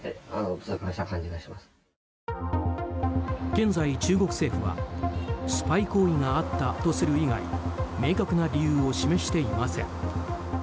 現在、中国政府はスパイ行為があったとする以外明確な理由を示していません。